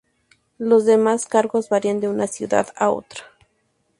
Los demás cargos varían de una ciudad a otra.